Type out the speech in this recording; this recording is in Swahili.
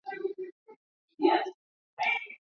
Watu kumi na sita wakiwemo wanajeshi tisa